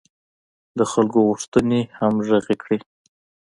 د خلکو غوښتنې همغږې کړي.